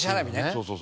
そうそう。